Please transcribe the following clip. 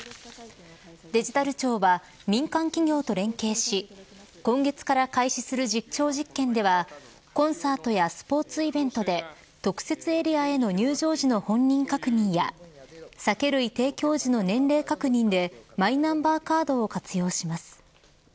デジタル庁は民間企業と連携し今月から開始する実証実験ではコンサートやスポーツイベントで特設エリアへの入場時の本人確認や酒類提供時の年齢確認でマイナンバーカードを活用します。